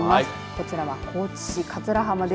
こちらは高知県桂浜です。